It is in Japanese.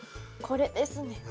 これですね。